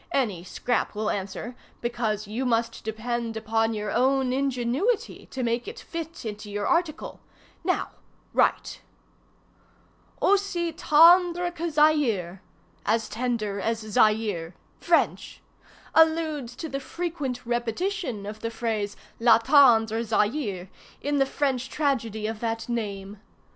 Any scrap will answer, because you must depend upon your own ingenuity to make it fit into your article. Now write! "'Aussi tendre que Zaire'—as tender as Zaire French. Alludes to the frequent repetition of the phrase, la tendre Zaire, in the French tragedy of that name.